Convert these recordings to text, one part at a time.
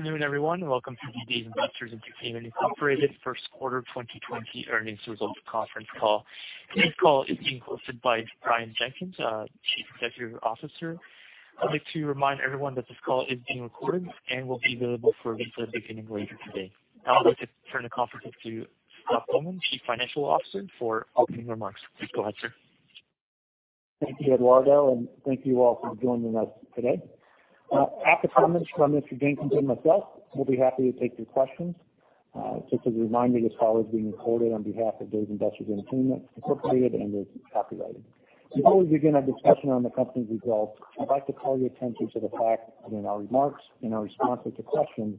Good afternoon, everyone, and welcome to Dave & Buster's Entertainment Incorporated first quarter 2020 earnings results conference call. Today's call is being hosted by Brian Jenkins, Chief Executive Officer. I'd like to remind everyone that this call is being recorded and will be available for replay beginning later today. Now I'd like to turn the conference over to Scott Bowman, Chief Financial Officer, for opening remarks. Please go ahead, sir. Thank you, Eduardo, and thank you all for joining us today. After comments from Mr. Jenkins and myself, we'll be happy to take your questions. Just as a reminder, this call is being recorded on behalf of Dave & Buster's Entertainment Incorporated and is copyrighted. Before we begin our discussion on the company's results, I'd like to call your attention to the fact that in our remarks, in our responses to questions,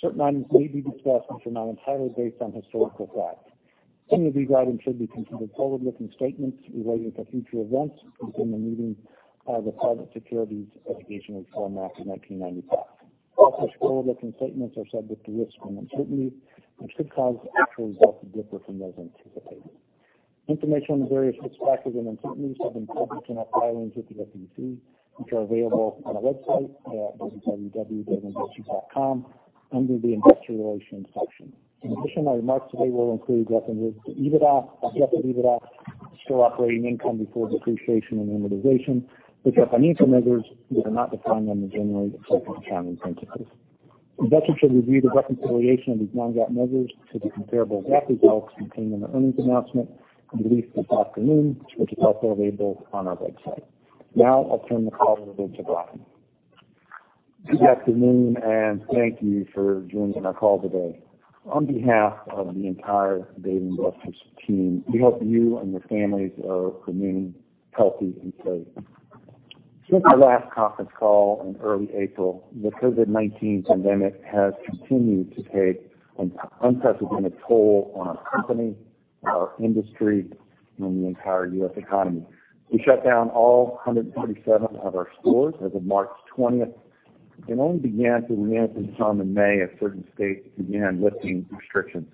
certain items may be discussed which are not entirely based on historical fact. Certain of these items should be considered forward-looking statements related to future events within the meaning of the Private Securities Litigation Reform Act of 1995. Such forward-looking statements are subject to risks and uncertainties, which could cause actual results to differ from those anticipated. Information on the various risks, factors, and uncertainties have been published in our filings with the SEC, which are available on our website at www.daveandbusters.com under the Investor Relations section. In addition, our remarks today will include references to EBITDA, adjusted EBITDA, store operating income before depreciation and amortization, which are financial measures that are not defined under generally accepted accounting principles. Investors should review the reconciliation of these non-GAAP measures to the comparable GAAP results contained in the earnings announcement we released this afternoon, which is also available on our website. I'll turn the call over to Brian. Good afternoon, and thank you for joining our call today. On behalf of the entire Dave & Buster's team, we hope you and your families are remaining healthy and safe. Since our last conference call in early April, the COVID-19 pandemic has continued to take an unprecedented toll on our company, our industry, and the entire U.S. economy. We shut down all 137 of our stores as of March 20th and only began to reopen some in May as certain states began lifting restrictions.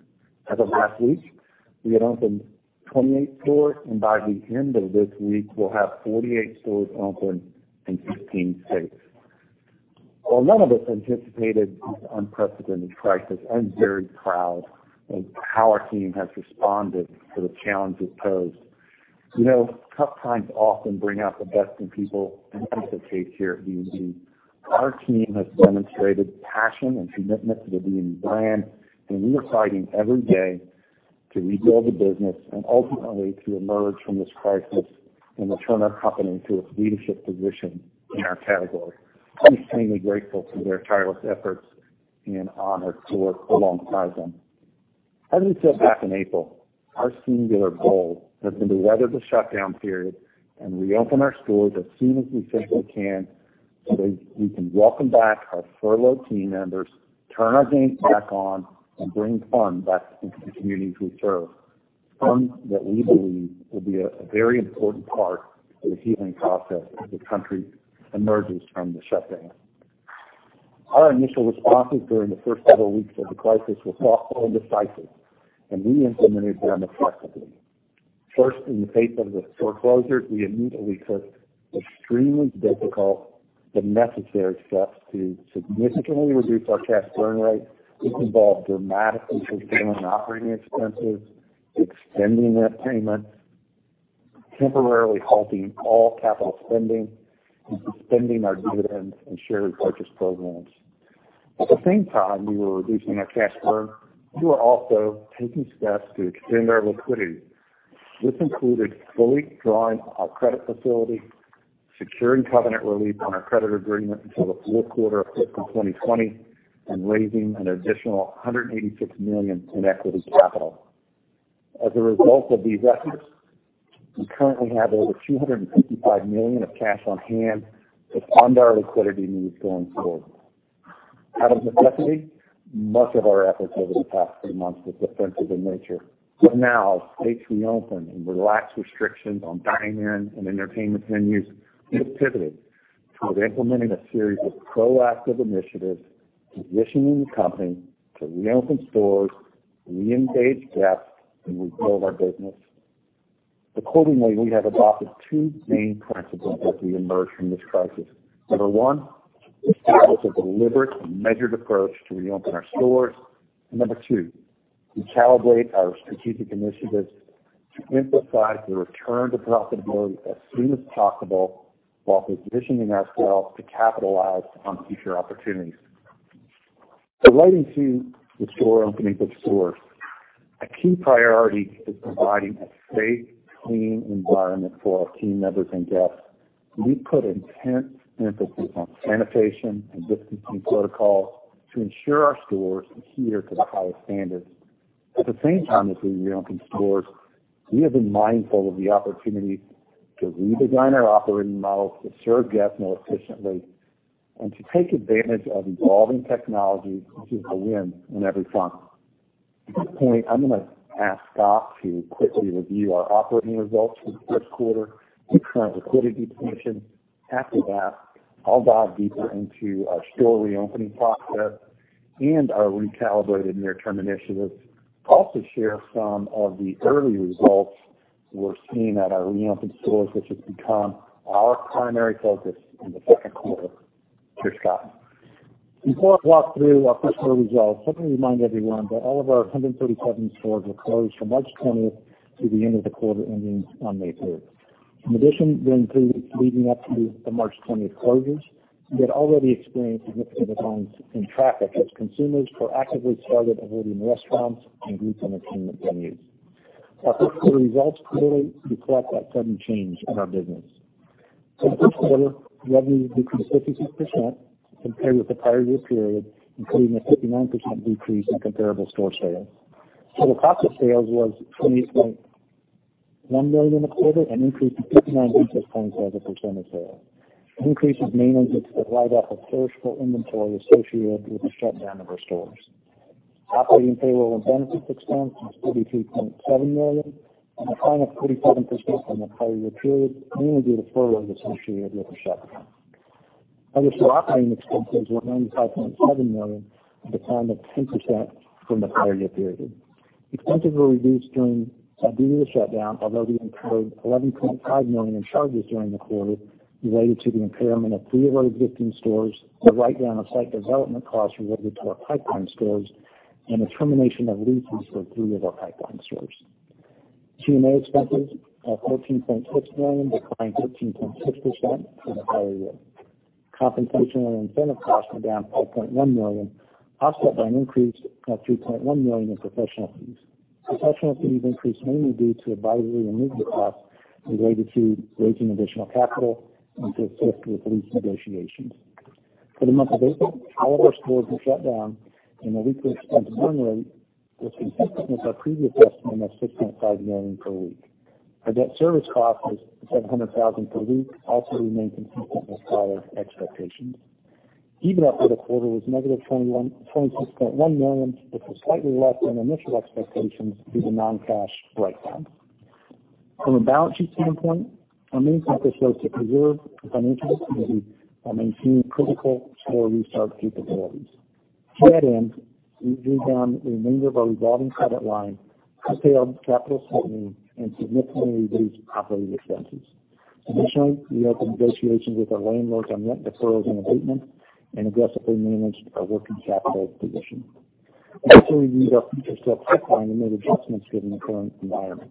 As of last week, we had opened 28 stores, and by the end of this week, we'll have 48 stores open in 15 states. While none of us anticipated this unprecedented crisis, I'm very proud of how our team has responded to the challenges posed. Tough times often bring out the best in people, and that is the case here at D&B. Our team has demonstrated passion and commitment to the D&B brand, and we are fighting every day to rebuild the business and ultimately to emerge from this crisis and return our company to its leadership position in our category. I'm extremely grateful for their tireless efforts and honored to work alongside them. As we said back in April, our singular goal has been to weather the shutdown period and reopen our stores as soon as we safely can so that we can welcome back our furloughed team members, turn our games back on, and bring fun back into the communities we serve. Fun that we believe will be a very important part of the healing process as the country emerges from the shutdown. Our initial responses during the first several weeks of the crisis were thoughtful and decisive, and we implemented them effectively. First, in the face of the store closures, we immediately took extremely difficult but necessary steps to significantly reduce our cash burn rate, which involved dramatically curtailing operating expenses, extending rent payments, temporarily halting all capital spending, and suspending our dividends and share repurchase programs. At the same time we were reducing our cash burn, we were also taking steps to extend our liquidity. This included fully drawing our credit facility, securing covenant relief on our credit agreement until the fourth quarter of 2020, and raising an additional $186 million in equity capital. As a result of these efforts, we currently have over $255 million of cash on hand to fund our liquidity needs going forward. Out of necessity, much of our efforts over the past three months were defensive in nature, but now states reopen and relax restrictions on dining-in and entertainment venues, we have pivoted toward implementing a series of proactive initiatives, positioning the company to reopen stores, reengage guests, and rebuild our business. Accordingly, we have adopted two main principles as we emerge from this crisis. Number one, establish a deliberate and measured approach to reopen our stores. Number two, recalibrate our strategic initiatives to emphasize the return to profitability as soon as possible while positioning ourselves to capitalize on future opportunities. Relating to the store opening of stores, a key priority is providing a safe, clean environment for our team members and guests. We've put intense emphasis on sanitation and distancing protocols to ensure our stores adhere to the highest standards. At the same time as we reopen stores, we have been mindful of the opportunity to redesign our operating models to serve guests more efficiently and to take advantage of evolving technology to win on every front. At this point, I'm going to ask Scott Bowman to quickly review our operating results for the first quarter and current liquidity position. After that, I'll dive deeper into our store reopening process and our recalibrated near-term initiatives. I'll also share some of the early results We're seeing at our reopened stores, which has become our primary focus in the second quarter. Sure, Scott. Before I walk through our first quarter results, let me remind everyone that all of our 137 stores were closed from March 20th to the end of the quarter ending on May 3rd. In addition, during three weeks leading up to the March 20th closures, we had already experienced significant declines in traffic as consumers proactively started avoiding restaurants and group entertainment venues. Our first quarter results clearly reflect that sudden change in our business. The first quarter revenue decreased 56% compared with the prior year period, including a 59% decrease in comparable store sales. Total cost of sales was $28.1 million in the quarter, an increase of 59 basis points as a % of sales. The increase is mainly due to the write-off of perishable inventory associated with the shutdown of our stores. Operating payroll and benefits expense was $33.7 million, a decline of 37% from the prior year period, mainly due to furloughs associated with the shutdown. Other store operating expenses were $95.7 million, a decline of 10% from the prior year period. Expenses were reduced due to the shutdown, although we incurred $11.5 million in charges during the quarter related to the impairment of three of our existing stores, the write-down of site development costs related to our pipeline stores, and the termination of leases for three of our pipeline stores. G&A expenses of $14.6 million, declined 13.6% from the prior year. Compensation and incentive costs were down $4.1 million, offset by an increase of $3.1 million in professional fees. Professional fees increased mainly due to advisory and legal costs related to raising additional capital and to assist with lease negotiations. For the month of April, all of our stores were shut down, and our weekly expense burn rate was consistent with our previous estimate of $6.5 million per week. Our debt service cost was $700,000 per week, also remaining consistent with prior expectations. EBITDA for the quarter was negative $26.1 million, which was slightly less than initial expectations due to non-cash write-downs. From a balance sheet standpoint, our main focus was to preserve the financial liquidity while maintaining critical store restart capabilities. To that end, we drew down the remainder of our revolving credit line to preserve capital certainty and significantly reduce operating expenses. Additionally, we opened negotiations with our landlords on rent deferrals and abatements and aggressively managed our working capital position. We also reviewed our future store pipeline and made adjustments given the current environment.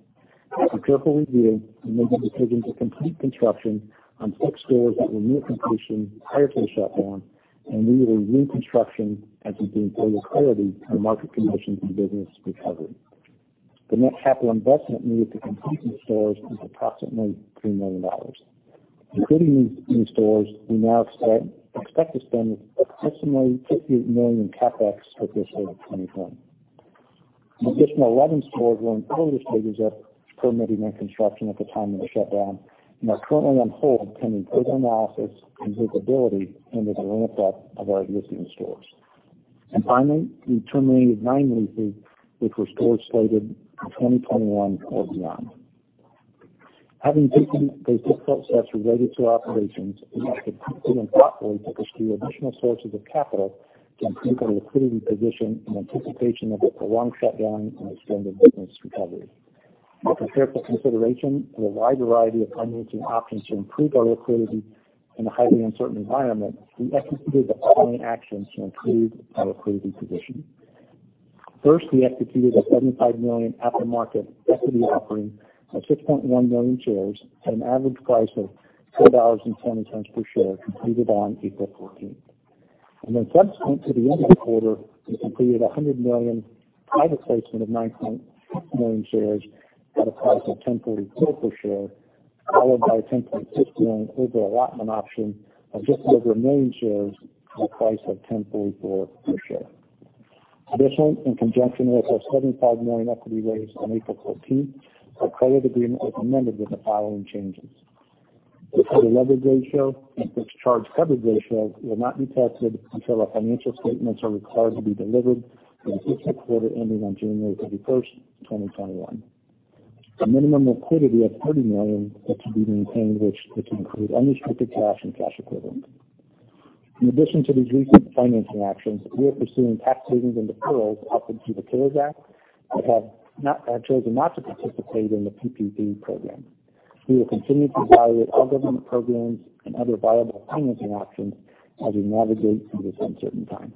After careful review, we made the decision to complete construction on six stores that were near completion prior to the shutdown and review new construction as it gains greater clarity to market conditions and business recovery. The net capital investment needed to complete these stores is approximately $3 million. Including these new stores, we now expect to spend approximately $50 million in CapEx for fiscal 2020. An additional 11 stores were in various stages of permitting and construction at the time of the shutdown and are currently on hold pending further analysis and visibility into the ramp-up of our existing stores. Finally, we terminated nine leases, which were stores slated for 2021 or beyond. Having taken those difficult steps related to our operations, we next had to quickly and thoughtfully pursue additional sources of capital to improve our liquidity position in anticipation of a prolonged shutdown and extended business recovery. After careful consideration of a wide variety of financing options to improve our liquidity in a highly uncertain environment, we executed the following actions to improve our liquidity position. First, we executed a $75 million after-market equity offering of 6.1 million shares at an average price of $12.10 per share, completed on April 14th. Subsequent to the end of the quarter, we completed a $100 million private placement of 9.6 million shares at a price of $10.44 per share, followed by a $10.6 million over-allotment option of just over 1 million shares at a price of $10.44 per share. Additionally, in conjunction with our $75 million equity raise on April 14th, our credit agreement was amended with the following changes. The total leverage ratio and fixed charge coverage ratio will not be tested until our financial statements are required to be delivered for the fiscal quarter ending on January 31st, 2021. A minimum liquidity of $30 million that should be maintained, which could include unrestricted cash and cash equivalents. In addition to these recent financing actions, we are pursuing tax savings and deferrals offered through the CARES Act but have chosen not to participate in the PPP program. We will continue to evaluate all government programs and other viable financing options as we navigate through this uncertain time.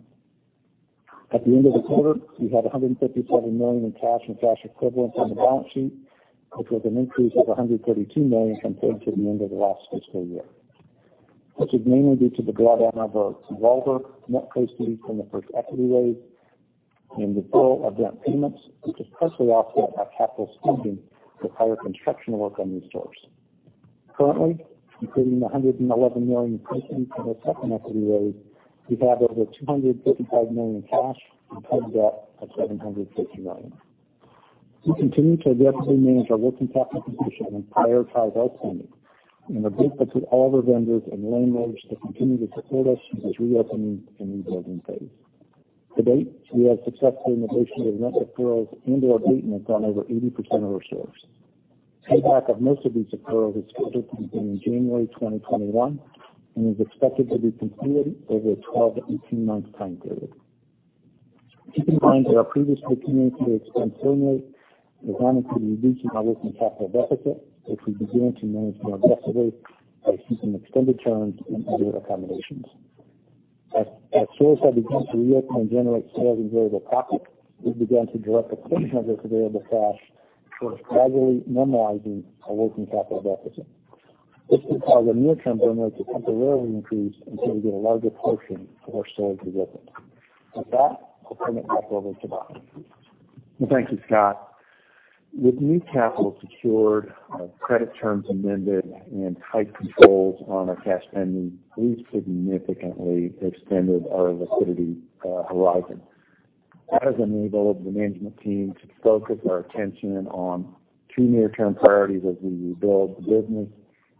At the end of the quarter, we had $157 million in cash and cash equivalents on the balance sheet, which was an increase of $132 million compared to the end of the last fiscal year, which was mainly due to the drawdown of our revolver, net proceeds from the first equity raise, and the deferral of rent payments, which was partially offset by capital spending for prior construction work on new stores. Currently, including the $111 million proceeds from the second equity raise, we have over $235 million in cash and total debt of $750 million. We continue to aggressively manage our working capital position and prioritize our spending, and are grateful to all of our vendors and landlords to continue to support us through this reopening and rebuilding phase. To date, we have successfully negotiated rent deferrals and/or abatements on over 80% of our stores. Payback of most of these deferrals is scheduled to begin in January 2021 and is expected to be completed over a 12 to 18-month time period. Keep in mind that our previous commitment to expand burn rate was done to reduce our working capital deficit as we began to manage more aggressively by seeking extended terms and other accommodations. As stores have begun to reopen and generate sales and variable profit, we've begun to direct a portion of this available cash towards gradually normalizing our working capital deficit. This could cause our near-term burn rate to temporarily increase until we get a larger portion of our stores reopened. With that, I'll turn it back over to Brian. Thank you, Scott. With new capital secured, our credit terms amended, and tight controls on our cash spending, we've significantly extended our liquidity horizon. That has enabled the management team to focus our attention on two near-term priorities as we rebuild the business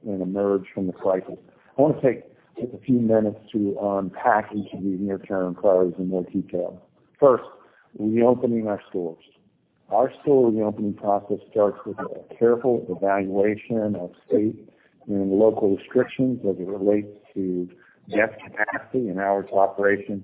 and emerge from the crisis. I want to take just a few minutes to unpack each of these near-term priorities in more detail. First, reopening our stores. Our store reopening process starts with a careful evaluation of state and local restrictions as it relates to guest capacity and hours of operation.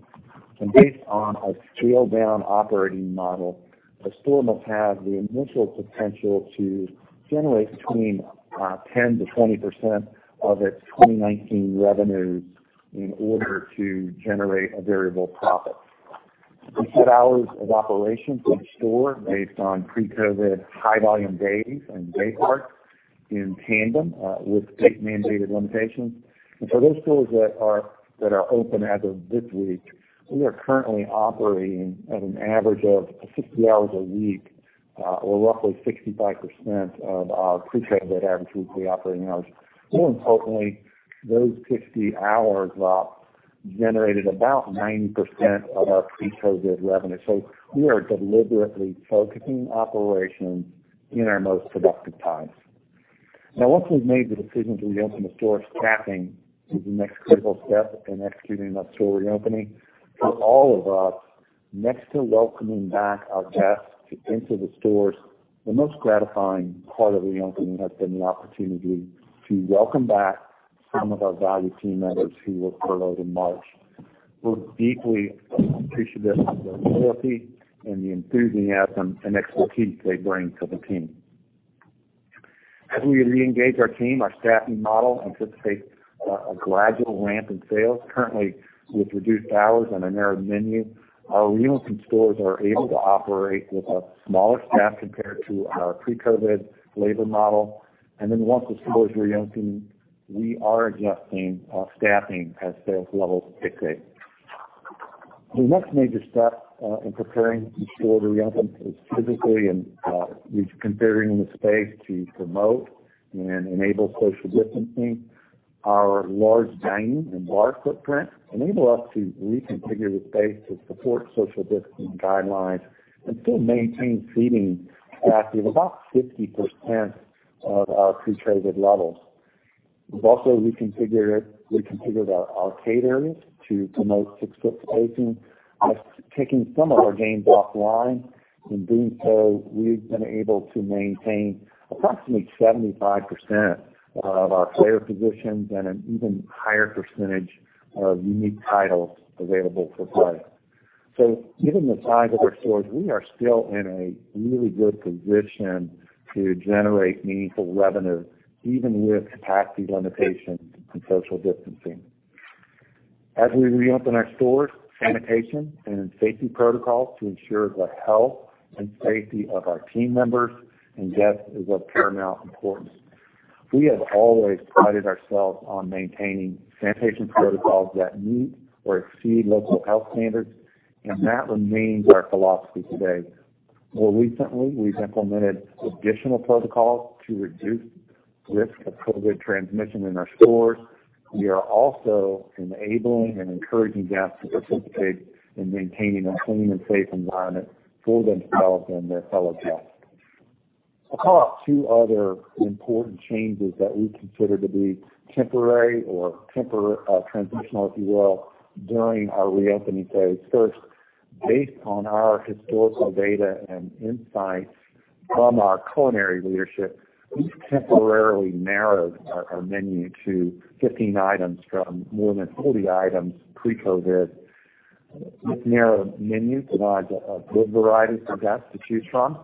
Based on a scaled-down operating model, a store must have the initial potential to generate between 10%-20% of its 2019 revenues in order to generate a variable profit. We set hours of operation for each store based on pre-COVID high volume days and day parts in tandem with state-mandated limitations. For those stores that are open as of this week, we are currently operating at an average of 60 hours a week, or roughly 65% of our pre-COVID average weekly operating hours. More importantly, those 60 hours generated about 90% of our pre-COVID revenue. We are deliberately focusing operations in our most productive times. Once we've made the decision to reopen a store, staffing is the next critical step in executing that store reopening. For all of us, next to welcoming back our guests into the stores, the most gratifying part of the reopening has been the opportunity to welcome back some of our valued team members who were furloughed in March. We're deeply appreciative of the loyalty and the enthusiasm and expertise they bring to the team. As we reengage our team, our staffing model anticipates a gradual ramp in sales. Currently, with reduced hours and a narrowed menu, our reopening stores are able to operate with a smaller staff compared to our pre-COVID labor model. Once the store is reopened, we are adjusting our staffing as sales levels dictate. The next major step in preparing to store the reopen is physically and reconfiguring the space to promote and enable social distancing. Our large dining and bar footprint enable us to reconfigure the space to support social distancing guidelines and still maintain seating capacity of about 50% of our pre-COVID levels. We've also reconfigured our arcade areas to promote six-foot spacing by taking some of our games offline. In doing so, we've been able to maintain approximately 75% of our player positions and an even higher percentage of unique titles available for play. Given the size of our stores, we are still in a really good position to generate meaningful revenue, even with capacity limitations and social distancing. As we reopen our stores, sanitation and safety protocols to ensure the health and safety of our team members and guests is of paramount importance. We have always prided ourselves on maintaining sanitation protocols that meet or exceed local health standards, and that remains our philosophy today. More recently, we've implemented additional protocols to reduce risk of COVID transmission in our stores. We are also enabling and encouraging guests to participate in maintaining a clean and safe environment for themselves and their fellow guests. I'll call out two other important changes that we consider to be temporary or transitional, if you will, during our reopening phase. First, based on our historical data and insights from our culinary leadership, we've temporarily narrowed our menu to 15 items from more than 40 items pre-COVID. This narrowed menu provides a good variety for guests to choose from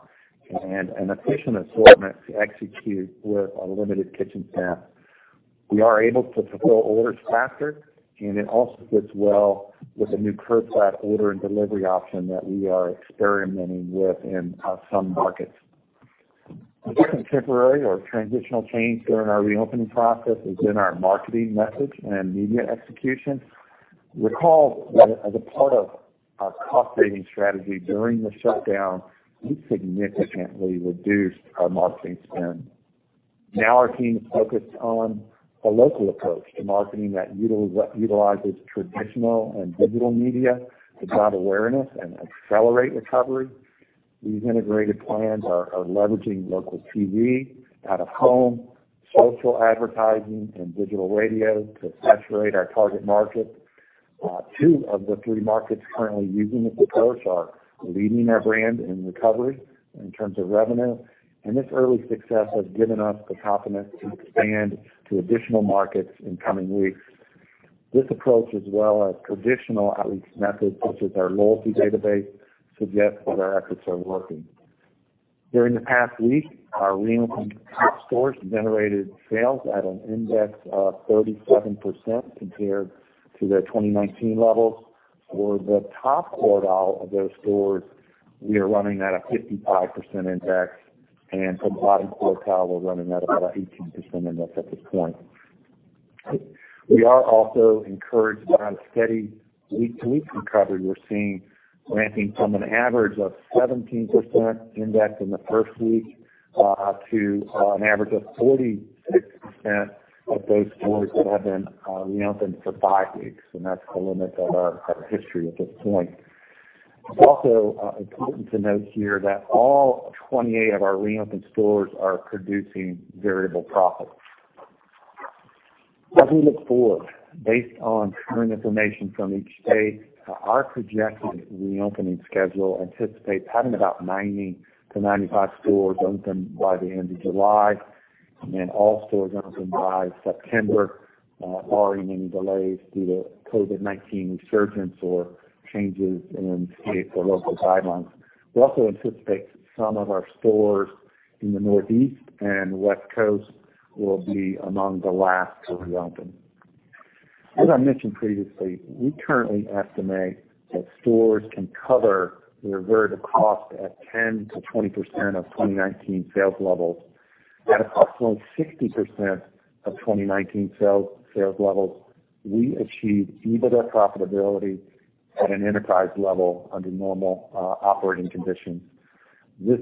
and an efficient assortment to execute with a limited kitchen staff. We are able to fulfill orders faster, and it also fits well with a new curbside order and delivery option that we are experimenting with in some markets. The second temporary or transitional change during our reopening process has been our marketing message and media execution. Recall that as a part of our cost-saving strategy during the shutdown, we significantly reduced our marketing spend. Now our team is focused on a local approach to marketing that utilizes traditional and digital media to drive awareness and accelerate recovery. These integrated plans are leveraging local TV, out-of-home, social advertising, and digital radio to saturate our target market. Two of the three markets currently using this approach are leading our brand in recovery in terms of revenue, This early success has given us the confidence to expand to additional markets in coming weeks. This approach, as well as traditional outreach methods such as our loyalty database, suggests that our efforts are working. During the past week, our reopened stores generated sales at an index of 37% compared to their 2019 levels. For the top quartile of those stores, we are running at a 55% index, and for the bottom quartile, we're running at about 18% index at this point. We are also encouraged by the steady week-to-week recovery we're seeing, ranging from an average of 17% index in the first week to an average of 46% of those stores that have been reopened for five weeks. That's the limit of our history at this point. Important to note here that all 28 of our reopened stores are producing variable profits. As we look forward, based on current information from each state, our projected reopening schedule anticipates having about 90 to 95 stores open by the end of July and then all stores open by September, barring any delays due to COVID-19 resurgence or changes in state or local guidelines. We also anticipate some of our stores in the Northeast and West Coast will be among the last to reopen. As I mentioned previously, we currently estimate that stores can cover their variable costs at 10%-20% of 2019 sales levels. At approximately 60% of 2019 sales levels, we achieve EBITDA profitability at an enterprise level under normal operating conditions. This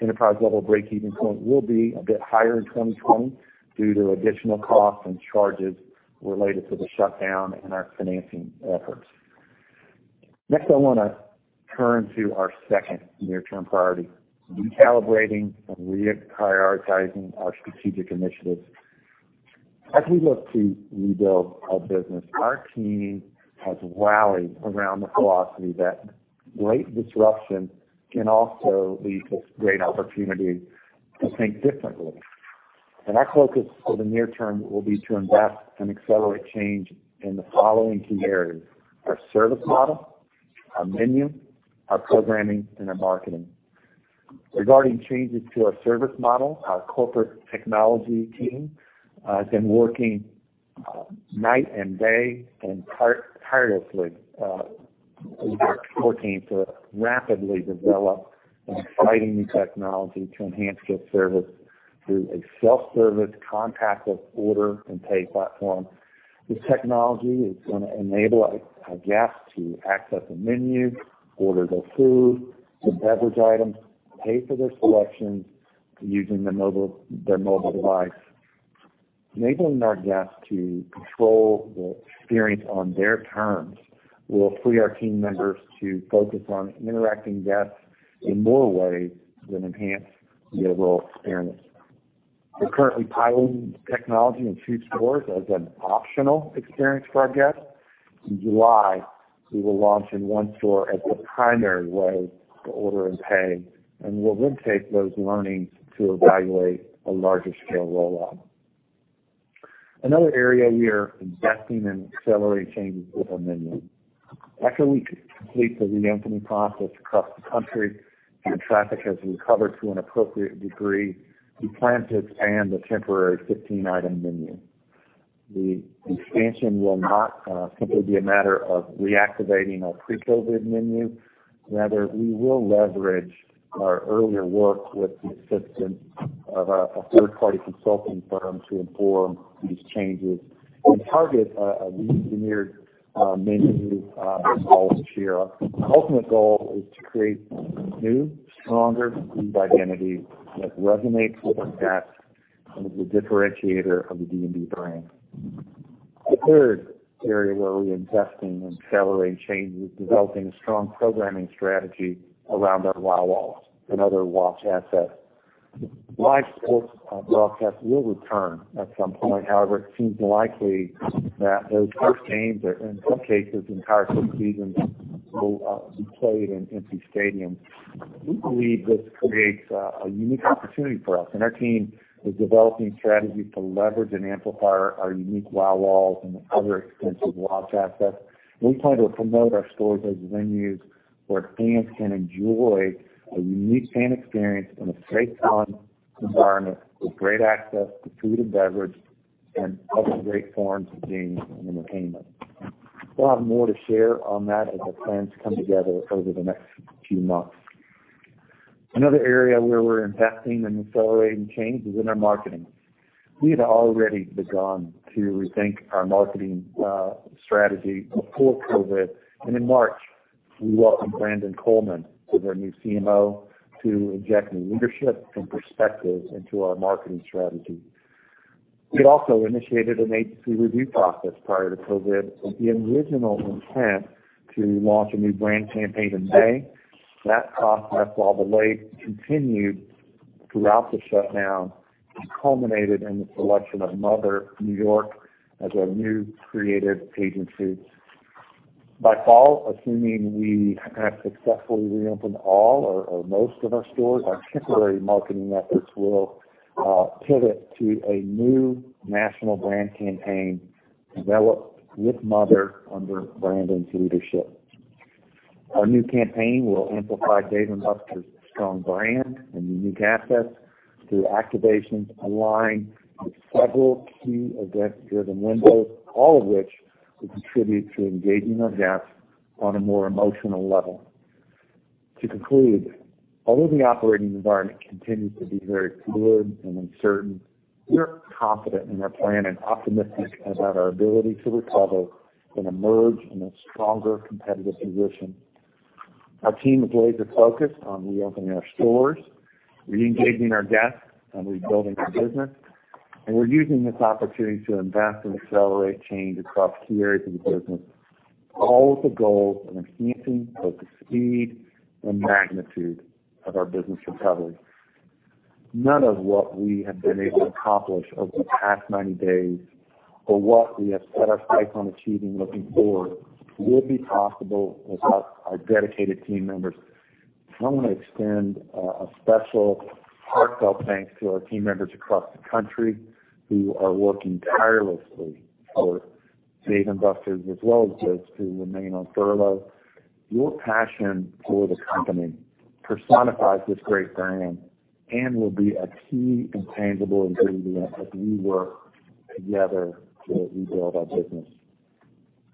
enterprise level break-even point will be a bit higher in 2020 due to additional costs and charges related to the shutdown and our financing efforts. Next, I want to turn to our second near-term priority, recalibrating and reprioritizing our strategic initiatives. As we look to rebuild our business, our team has rallied around the philosophy that great disruption can also lead to great opportunity to think differently. Our focus for the near term will be to invest and accelerate change in the following key areas, our service model, our menu, our programming, and our marketing. Regarding changes to our service model, our corporate technology team has been working night and day and tirelessly with our store team to rapidly develop an exciting new technology to enhance guest service through a self-service contactless order and pay platform. This technology is going to enable a guest to access a menu, order their food, their beverage items, pay for their selections using their mobile device. Enabling our guests to control the experience on their terms will free our team members to focus on interacting guests in more ways that enhance the overall experience. We're currently piloting this technology in two stores as an optional experience for our guests. In July, we will launch in one store as the primary way to order and pay. We'll then take those learnings to evaluate a larger scale rollout. Another area we are investing in accelerating change is our menu. After we complete the reopening process across the country and traffic has recovered to an appropriate degree, we plan to expand the temporary 15-item menu. The expansion will not simply be a matter of reactivating our pre-COVID menu. We will leverage our earlier work with the assistance of a third-party consulting firm to inform these changes and target a reengineered main menu by fall of this year. Our ultimate goal is to create a new, stronger food identity that resonates with our guests and is a differentiator of the D&B brand. The third area where we're investing in accelerating change is developing a strong programming strategy around our Wow Walls and other watch assets. Live sports broadcasts will return at some point. It seems likely that those first games, or in some cases, entire full seasons, will be played in empty stadiums. We believe this creates a unique opportunity for us, and our team is developing strategies to leverage and amplify our unique Wow Walls and other extensive watch assets. We plan to promote our stores as venues where fans can enjoy a unique fan experience in a safe environment with great access to food and beverage and other great forms of games and entertainment. We'll have more to share on that as the plans come together over the next few months. Another area where we're investing and accelerating change is in our marketing. We had already begun to rethink our marketing strategy before COVID, and in March, we welcomed Brandon Coleman as our new CMO to inject new leadership and perspectives into our marketing strategy. We also initiated an agency review process prior to COVID with the original intent to launch a new brand campaign in May. That process, while delayed, continued throughout the shutdown and culminated in the selection of Mother New York as our new creative agency. By fall, assuming we have successfully reopened all or most of our stores, our temporary marketing efforts will pivot to a new national brand campaign developed with Mother under Brandon's leadership. Our new campaign will amplify Dave & Buster's strong brand and unique assets through activations aligned with several key event-driven windows, all of which will contribute to engaging our guests on a more emotional level. To conclude, although the operating environment continues to be very fluid and uncertain, we're confident in our plan and optimistic about our ability to recover and emerge in a stronger competitive position. Our team is laser focused on reopening our stores, re-engaging our guests, and rebuilding our business. We're using this opportunity to invest and accelerate change across key areas of the business, all with the goal of enhancing both the speed and magnitude of our business recovery. None of what we have been able to accomplish over the past 90 days or what we have set our sights on achieving looking forward would be possible without our dedicated team members. I want to extend a special heartfelt thanks to our team members across the country who are working tirelessly for Dave & Buster's, as well as those who remain on furlough. Your passion for the company personifies this great brand and will be a key intangible ingredient as we work together to rebuild our business.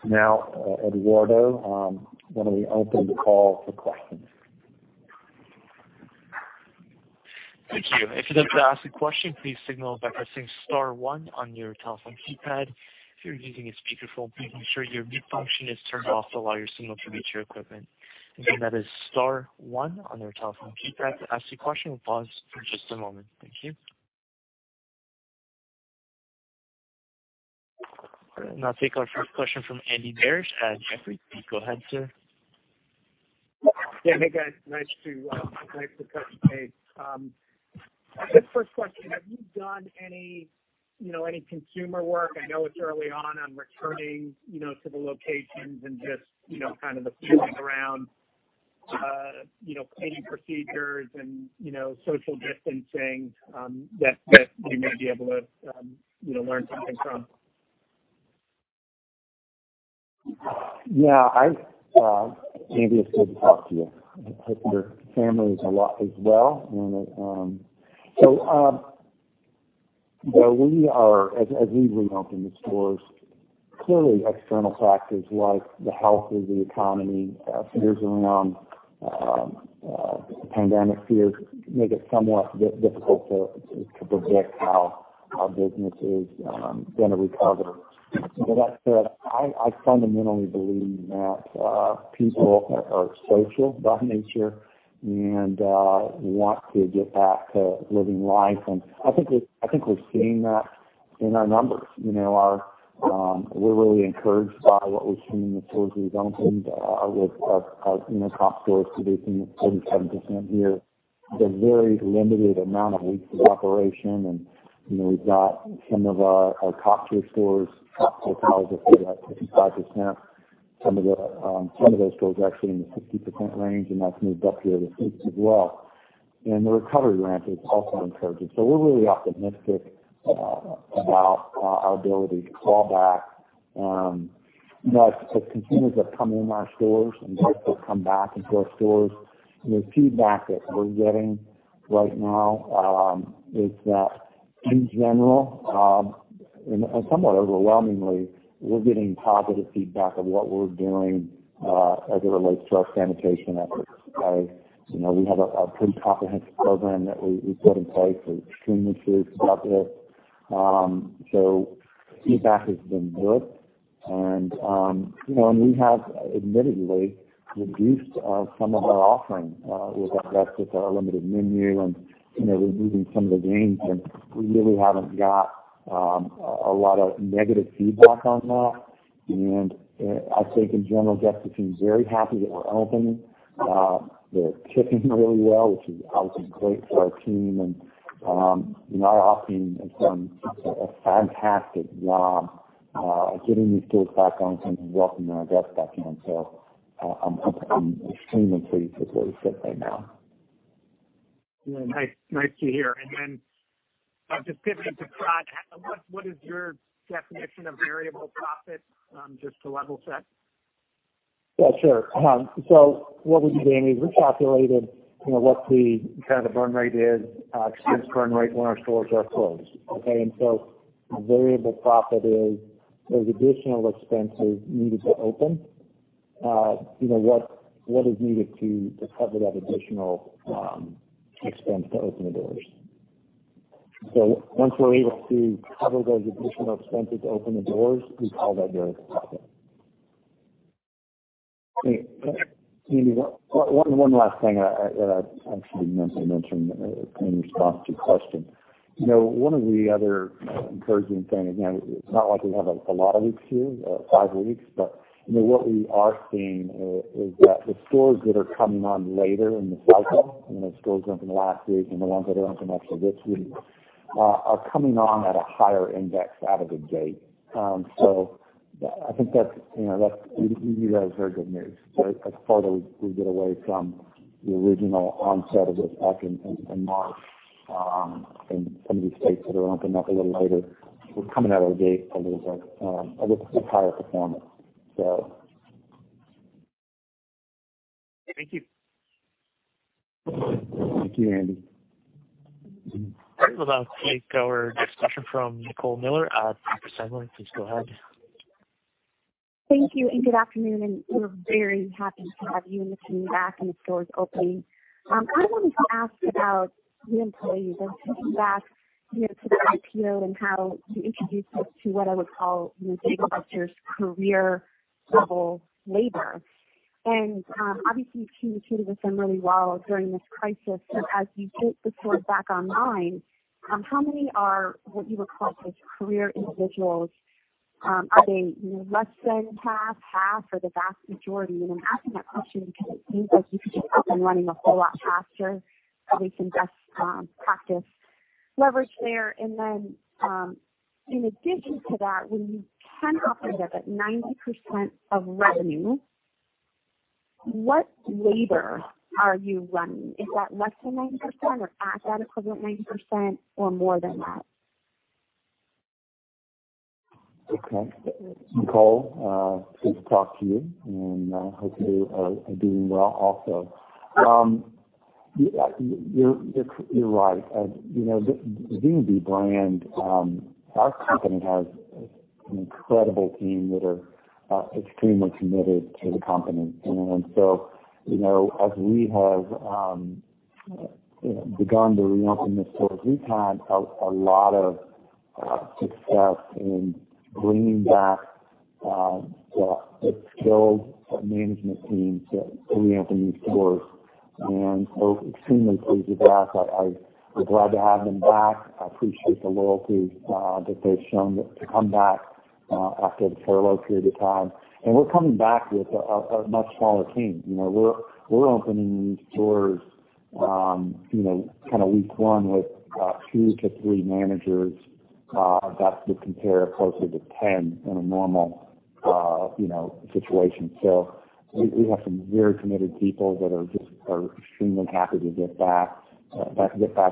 Eduardo, let me open the call for questions. Thank you. If you'd like to ask a question, please signal by pressing star one on your telephone keypad. If you're using a speakerphone, please make sure your mute function is turned off to allow your signal to reach your equipment. Again, that is star one on your telephone keypad to ask a question. We'll pause for just a moment. Thank you. Now take our first question from Andy Barish at Jefferies. Go ahead, sir. Yeah. Hey, guys. Nice to touch base. Just first question, have you done any consumer work? I know it's early on returning to the locations and just kind of the feelings around cleaning procedures and social distancing that you might be able to learn something from. Andy, it's good to talk to you. I hope your family is well as well. As we reopen the stores, clearly external factors like the health of the economy, fears around pandemic fears make it somewhat difficult to predict how our business is going to recover. That said, I fundamentally believe that people are social by nature and want to get back to living life. I think we're seeing that in our numbers. We're really encouraged by what we've seen in the stores we've opened with our comp stores producing a 47% year. It's a very limited amount of weeks of operation, and we've got some of our top tier stores up to as high as 55%. Some of those stores are actually in the 60% range, and that's moved up here to 60 as well. The recovery ramp is also encouraging. We're really optimistic about our ability to claw back. As consumers are coming in our stores and as they come back into our stores, the feedback that we're getting right now is that in general, and somewhat overwhelmingly, we're getting positive feedback of what we're doing as it relates to our sanitation efforts. We have a pretty comprehensive program that we put in place. We're extremely serious about this. The feedback has been good. We have admittedly reduced some of our offering with our guests, with our limited menu and removing some of the games, and we really haven't got a lot of negative feedback on that. I think in general, guests seem very happy that we're open. They're tipping really well, which is obviously great for our team. Our ops team has done such a fantastic job getting these stores back on and welcoming our guests back in. I'm extremely pleased with where we sit right now. Yeah. Nice to hear. Then just pivoting to prod, what is your definition of variable profit? Just to level set. Yeah, sure. What we did, Andy, we calculated what the kind of burn rate is, expense burn rate when our stores are closed. Okay. Variable profit is those additional expenses needed to open. What is needed to cover that additional expense to open the doors. Once we're able to cover those additional expenses to open the doors, we call that variable profit. Andy, one last thing that I actually meant to mention in response to your question. One of the other encouraging things, again, it's not like we have a lot of weeks here, five weeks, but what we are seeing is that the stores that are coming on later in the cycle, the stores opening last week and the ones that are opening actually this week are coming on at a higher index out of the gate. I think that's very good news. As far as we get away from the original onset of this back in March, and some of these states that are opening up a little later, we're coming out of the gate a little bit higher performance. Thank you. Thank you, Andy. All right. We'll now take our next question from Nicole Miller of Piper Sandler. Please go ahead. Thank you. Good afternoon, we're very happy to have you in the team back and the stores opening. I wanted to ask about the employees and piggyback to the IPO and how you introduced us to what I would call Dave & Buster's career level labor. Obviously you communicated with them really well during this crisis, but as you get the stores back online, how many are what you would call career individuals? Are they less than half, or the vast majority? I'm asking that question because it seems like you could get up and running a whole lot faster if we can just practice leverage there. In addition to that, when you can operate at 90% of revenue, what labor are you running? Is that less than 90% or at that equivalent 90% or more than that? Okay. Nicole, good to talk to you, and I hope you are doing well also. You're right. The D&B brand, our company has an incredible team that are extremely committed to the company. As we have begun to reopen the stores, we've had a lot of success in bringing back the skilled management team to reopen these stores. We're extremely pleased with that. We're glad to have them back. I appreciate the loyalty that they've shown to come back after the furlough period of time. We're coming back with a much smaller team. We're opening these stores, week one with two to three managers. That would compare closely to 10 in a normal situation. We have some very committed people that are extremely happy to get back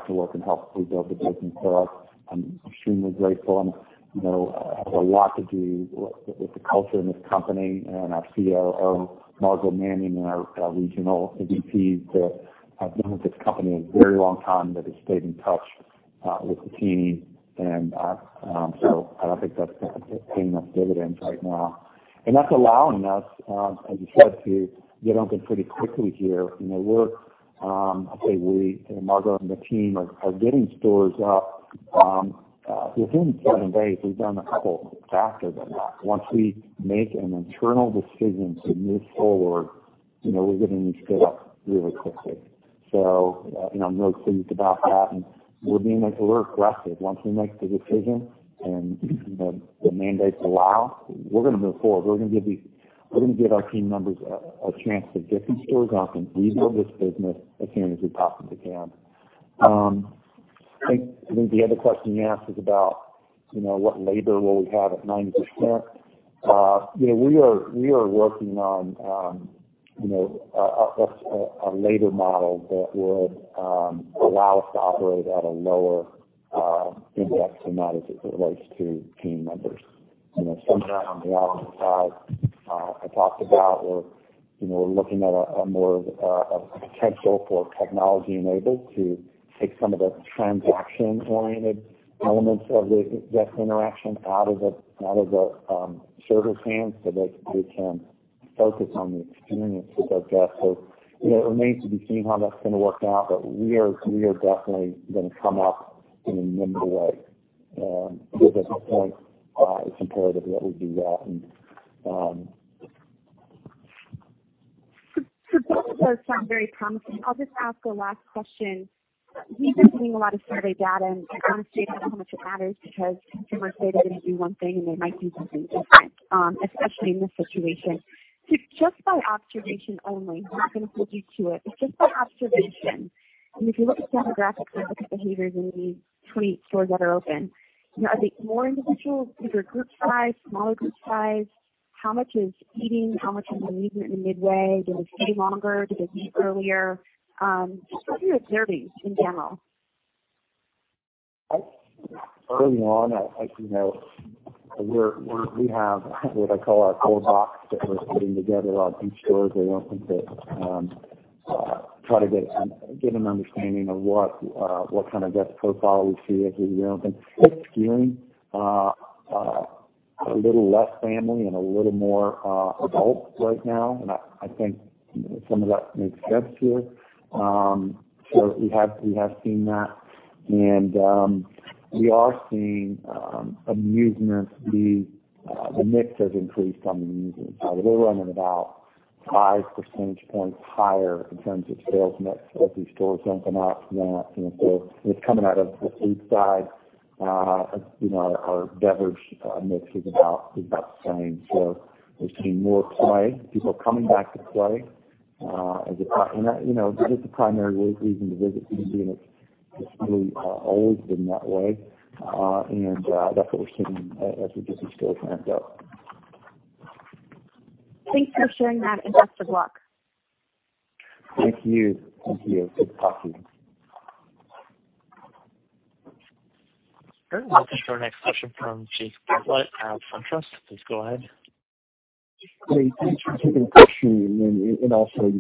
to work and help rebuild the business for us. I'm extremely grateful and it has a lot to do with the culture in this company and our COO, Margo Manning, and our regional VPs that have been with this company a very long time, that have stayed in touch with the team. I think that's paying us dividends right now. That's allowing us, as you said, to get open pretty quickly here. Margo and the team are getting stores up within seven days. We've done a couple faster than that. Once we make an internal decision to move forward, we're getting these lit up really quickly. I'm real pleased about that, and we're being aggressive. Once we make the decision and the mandates allow, we're going to move forward. We're going to give our team members a chance to get these stores open, rebuild this business as soon as we possibly can. I think the other question you asked is about what labor will we have at 90%. We are working on a labor model that would allow us to operate at a lower index and that is it relates to team members. Some of that on the operator side, I talked about we're looking at a potential for technology enabled to take some of the transaction oriented elements of the guest interaction out of the server's hands so they can focus on the experience with our guests. It remains to be seen how that's going to work out. We are definitely going to come up in a nimble way. At this point, it's imperative that we do that. Both of those sound very promising. I'll just ask a last question. We've been seeing a lot of survey data, and honestly, I don't know how much it matters because consumers say they're going to do one thing, and they might do something different, especially in this situation. Just by observation only, I'm not going to hold you to it. It's just by observation. If you look at demographics and look at behaviors in these 28 stores that are open, are there more individuals? Bigger group size, smaller group size? How much is eating? How much is amusement in the midway? Do they stay longer? Do they leave earlier? Just what are you observing in general? Early on, as you know, we have what I call our gold box that we're putting together on each store as we open to try to get an understanding of what kind of guest profile we see as we reopen. It's skewing a little less family and a little more adult right now. I think some of that makes sense here. We have seen that and we are seeing amusement, the mix has increased on the amusement side. We're running about 5% points higher in terms of sales mix as these stores open up than before. It's coming out of the food side. Our beverage mix is about the same. We're seeing more play. People are coming back to play. As you know, this is the primary reason to visit D&B, and it's really always been that way. That's what we're seeing as we get these stores ramped up. Thanks for sharing that, and best of luck. Thank you. Good talking. All right. We'll look for our next question from Jake Gutwight at SunTrust. Please go ahead. Jake, thanks for taking the question and also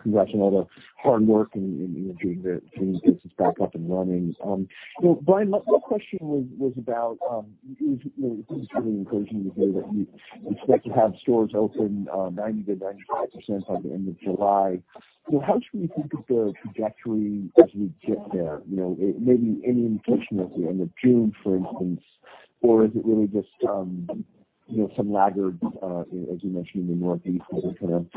congrats on all the hard work in getting the business back up and running. Brian, my question was, it was really encouraging to hear that you expect to have stores open 90%-95% by the end of July. How should we think of the trajectory as we get there? Maybe any indication at the end of June, for instance, or is it really just some laggards, as you mentioned in the Northeast, that are going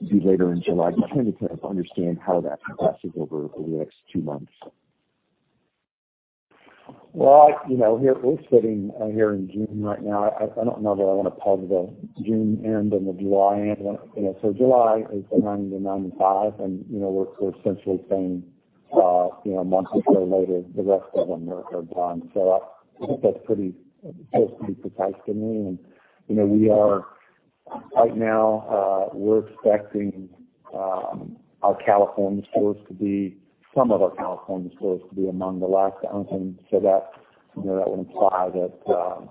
to be later in July? Just trying to understand how that progresses over the next two months. We're sitting here in June right now. I don't know that I want to peg the June end and the July end. July is the 90-95, and we're essentially saying a month or so later, the rest of them are done. I think that's pretty close to being precise to me. Right now, we're expecting some of our California stores to be among the last to open, so that would imply that's sort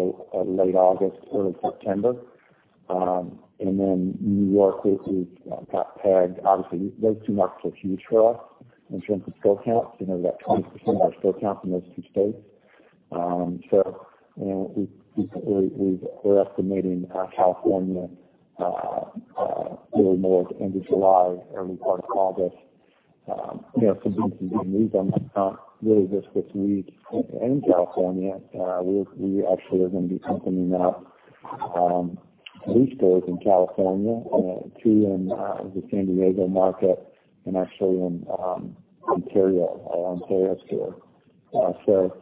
of late August, early September. New York got pegged. Obviously, those two markets are huge for us in terms of store count. About 20% of our store count's in those two states. We're estimating California really more end of July, early part of August. For good news on that front, really just this week in California, we actually are going to be opening up three stores in California, two in the San Diego market and actually in Ontario, our Ontario store.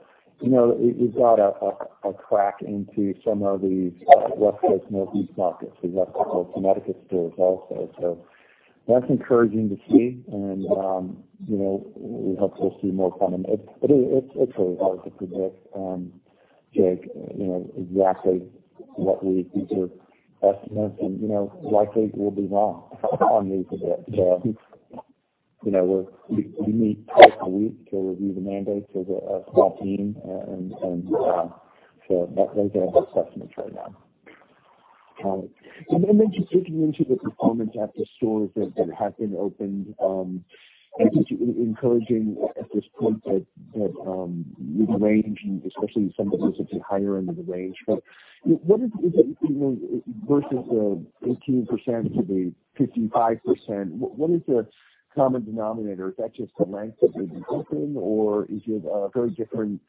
We've got a crack into some of these West Coast, Northeast markets. We've got a couple of Connecticut stores also. That's encouraging to see, and we hope to see more from them. It's really hard to predict, Jake, exactly what we think are estimates and likely we'll be wrong on these a bit. We meet twice a week to review the mandates as a small team, those are our best estimates right now. Got it. Just digging into the performance at the stores that have been opened, I guess encouraging at this point that the range and especially some of those at the higher end of the range. Versus the 18% to the 55%, what is the common denominator? Is that just the length of days open, or is it very different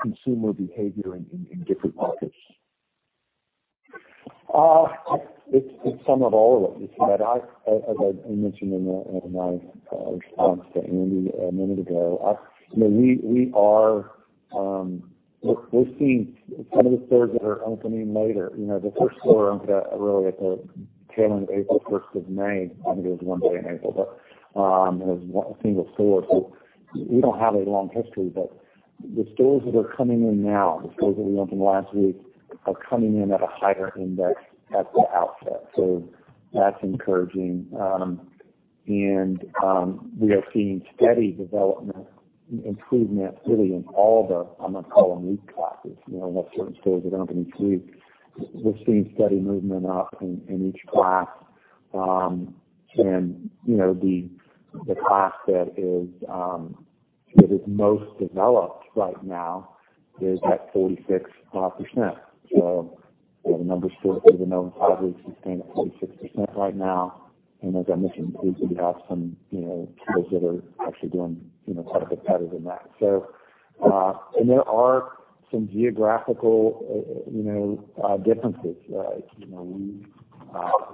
consumer behavior in different markets? It's some of all of it. As I mentioned in my response to Andy a minute ago, we're seeing some of the stores that are opening later. The first store opened really at the tail end of April, 1st of May. I think it was one day in April, but it was a single store. We don't have a long history. The stores that are coming in now, the stores that we opened last week, are coming in at a higher index at the outset. That's encouraging. We are seeing steady development improvement really in all the, I'm going to call them week classes. We've got certain stores that open each week. We're seeing steady movement up in each class. The class that is most developed right now is at 46%. The number stores that have been open five weeks is staying at 46% right now. As I mentioned, we have some stores that are actually doing quite a bit better than that. There are some geographical differences.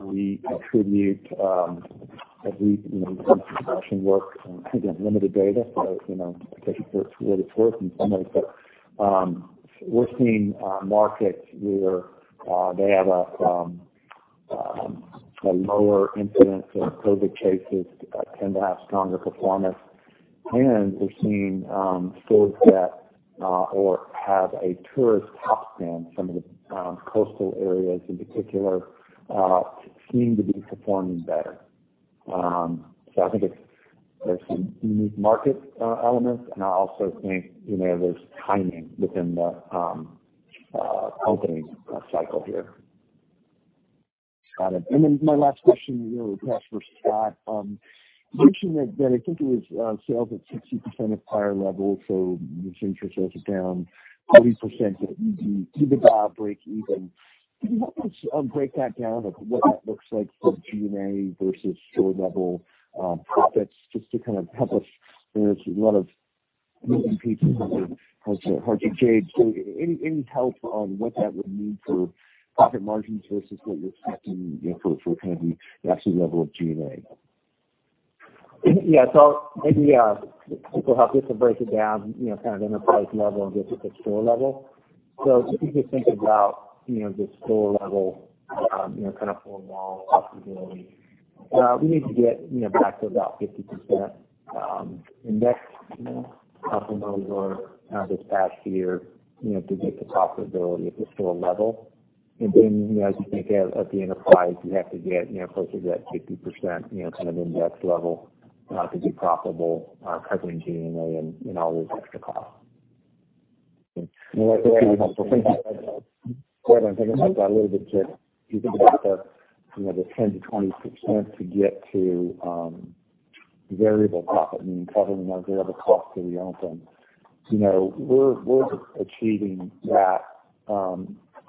We contribute every week, we do some projection work on, again, limited data. Take it for what's it's worth in some ways. We're seeing markets where they have a lower incidence of COVID cases tend to have stronger performance, and we're seeing stores that have a tourist hotspot, some of the coastal areas in particular, seem to be performing better. I think there's some unique market elements, and I also think there's timing within the opening cycle here. Got it. My last question really is for Scott. You mentioned that, I think it was sales at 60% of prior levels. Same store sales are down 40% at EBITDA breakeven. Can you help us break that down of what that looks like for G&A versus store level profits just to kind of help us? There's a lot of moving pieces that are hard to gauge. Any help on what that would mean for profit margins versus what you're expecting for the actual level of G&A? Maybe it will help just to break it down, kind of enterprise level versus the store level. If you just think about the store level kind of full model profitability, we need to get back to about 50% index compared to this past year to get to profitability at the store level. As you think at the enterprise, you have to get closer to that 50% kind of index level to be profitable covering G&A and all those extra costs. When I think about that a little bit too, if you think about the 10%-20% to get to variable profit, meaning covering our variable cost to reopen. We're just achieving that.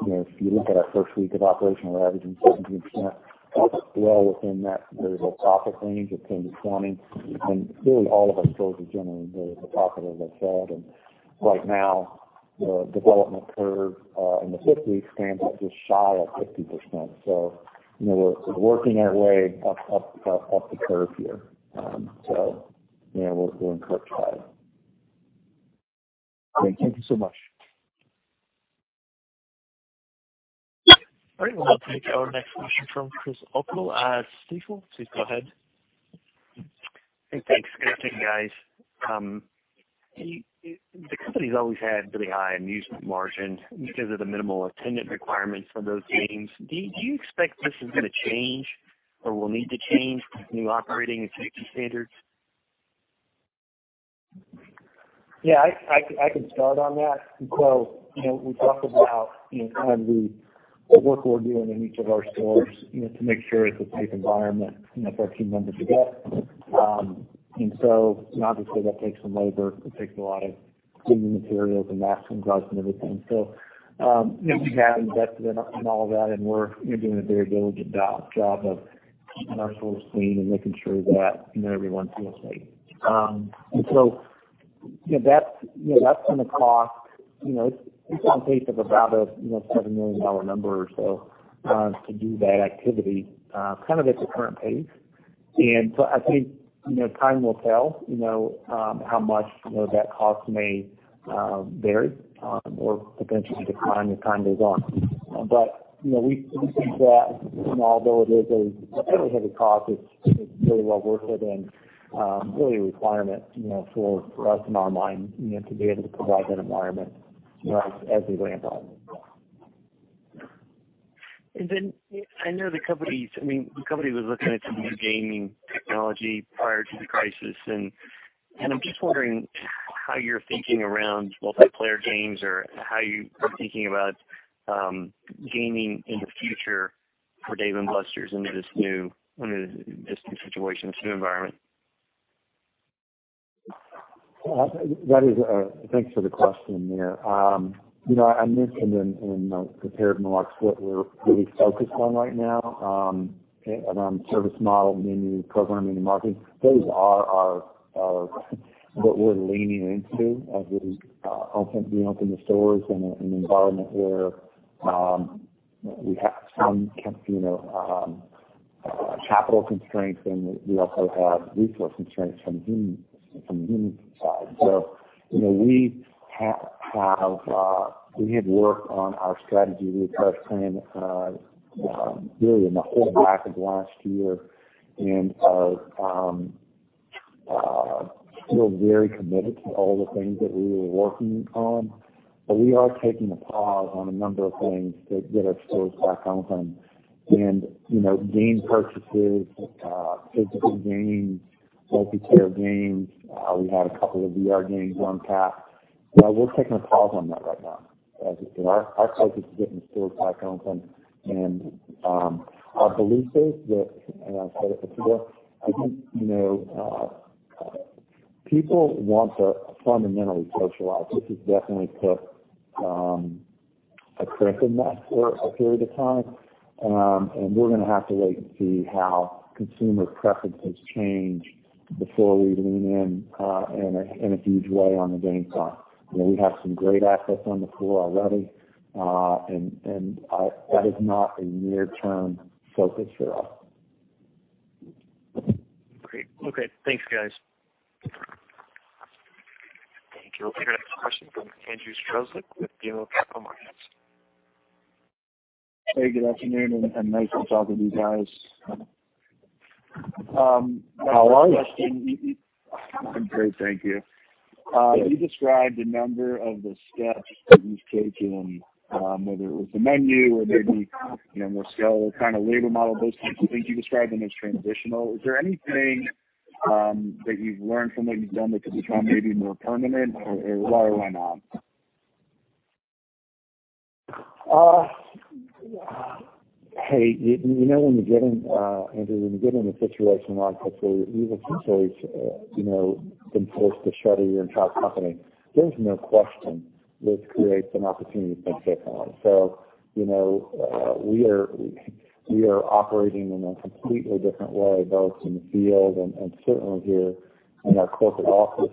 If you look at our first week of operational average in 17%, that's well within that variable profit range of 10%-20%. Clearly, all of our stores are generally very profitable, as I said. Right now, the development curve in the fifth week stands at just shy of 50%. We're working our way up the curve here. Yeah, we're on track. Great. Thank you so much. All right. We'll now take our next question from Chris O'Cull at Stifel. Please go ahead. Hey, thanks. Good afternoon, guys. The company's always had really high amusement margins because of the minimal attendant requirements for those games. Do you expect this is going to change or will need to change with new operating and safety standards? Yeah, I can start on that. We talked about the work we're doing in each of our stores to make sure it's a safe environment for our team members to get. Obviously, that takes some labor. It takes a lot of cleaning materials and masks and gloves and everything. We have invested in all of that, and we're doing a very diligent job of keeping our stores clean and making sure that everyone feels safe. That's going to cost It's on pace of about a $7 million number or so to do that activity kind of at the current pace. I think, time will tell how much that cost may vary or potentially decline as time goes on. we think that although it is a fairly heavy cost, it's really well worth it and really a requirement for us in our mind to be able to provide that environment as we ramp up. I know the company was looking at some new gaming technology prior to the crisis, and I'm just wondering how you're thinking around multiplayer games or how you are thinking about gaming in the future for Dave & Buster's under this new situation, this new environment? Thanks for the question there. I mentioned in the prepared remarks what we're really focused on right now around service model, new programming and marketing. Those are what we're leaning into as we open the stores in an environment where we have some capital constraints, and we also have resource constraints from human side. We had worked on our strategy refresh plan really in the whole back of last year. Are still very committed to all the things that we were working on. We are taking a pause on a number of things to get our stores back open. Game purchases, physical games, multiplayer games. We had a couple of VR games on tap. We're taking a pause on that right now. As I said, our focus is getting stores back open. Our belief is that, and I'll say this again, I think, people want to fundamentally socialize. This has definitely put a crimp in that for a period of time. We're going to have to wait and see how consumer preference has changed before we lean in a huge way on the game side. We have some great assets on the floor already. That is not a near-term focus for us. Great. Okay. Thanks, guys. Thank you. We'll take our next question from Andrew Strelzik with BMO Capital Markets. Hey, good afternoon, nice to talk with you guys. How are you? I'm great, thank you. You described a number of the steps that you've taken, whether it was the menu or maybe more skeletal kind of labor model, those types of things. You described them as transitional. Is there anything that you've learned from what you've done that you think might be more permanent or why not? Hey, Andrew, when you get in a situation like this where you were essentially forced to shutter your entire company, there's no question this creates an opportunity to take on. We are operating in a completely different way, both in the field and certainly here in our corporate office.